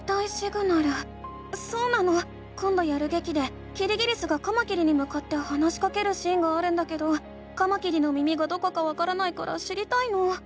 そうなのこんどやるげきでキリギリスがカマキリにむかって話しかけるシーンがあるんだけどカマキリの耳がどこかわからないから知りたいの。